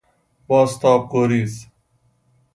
بازتاب گریز